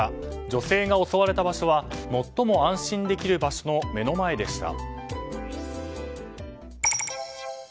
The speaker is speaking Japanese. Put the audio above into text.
女性が襲われた場所は最も安心できる場所の目の前でした。